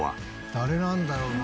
誰なんだろうな？